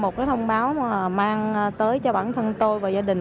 một cái thông báo mà mang tới cho bản thân tôi và gia đình